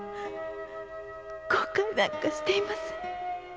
後悔なんかしていません